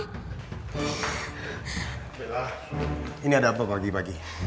bella ini ada apa pagi pagi